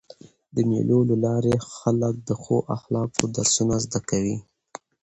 د مېلو له لاري خلک د ښو اخلاقو درسونه زده کوي.